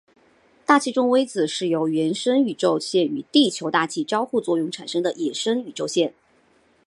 大气中微子是由原生宇宙线与地球大气交互作用产生的衍生宇宙线。